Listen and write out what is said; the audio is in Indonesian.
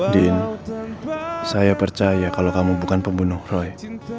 din saya percaya kalau kamu bukan pembunuh roy